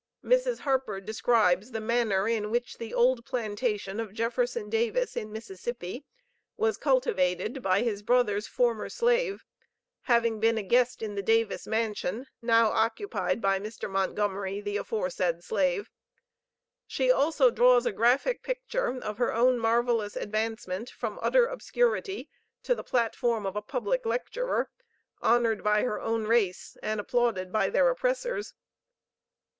Mrs. Harper describes the manner in which the old plantation of Jefferson Davis in Mississippi was cultivated by his brother's former slave, having been a guest in the Davis mansion, now occupied by Mr. Montgomery, the aforesaid slave. She also draws a graphic picture of her own marvellous advancement from utter obscurity to the platform of a public lecturer, honored by her own race and applauded by their oppressors.